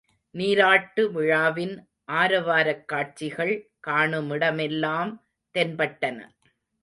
நீராட்டு விழாவின் ஆரவாரக் காட்சிகள் காணுமிட மெல்லாம் தென்பட்டன.